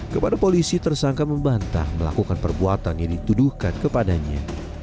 kepada polisi tersangka membantah melakukan perbuatan yang dituduhkan kepadanya